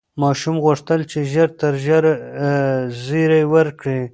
ماشوم غوښتل چې ژر تر ژره زېری ورکړي.